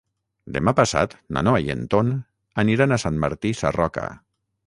Demà passat na Noa i en Ton aniran a Sant Martí Sarroca.